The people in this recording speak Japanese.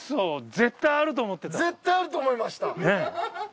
絶対あると思いました。ねぇ？